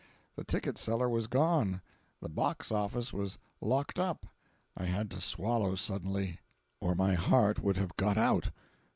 The ticket seller was gone, the box office was locked up. I had to swallow suddenly, or my heart would have got out.